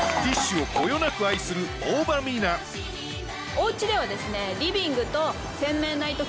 お家ではですね